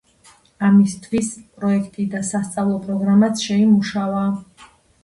ამისთვის პროექტი და სასწავლო პროგრამაც შეიმუშავა.